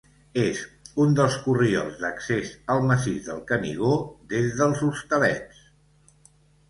És un dels corriols d'accés al Massís del Canigó des dels Hostalets.